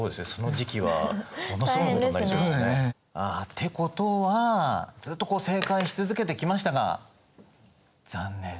ってことはずっとこう正解し続けてきましたが残念。